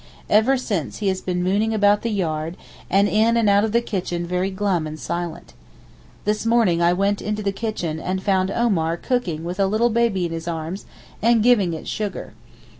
Ever since he has been mooning about the yard and in and out of the kitchen very glum and silent. This morning I went into the kitchen and found Omar cooking with a little baby in his arms, and giving it sugar.